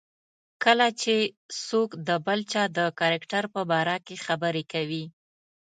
کله چې څوک د بل چا د کرکټر په باره کې خبرې کوي.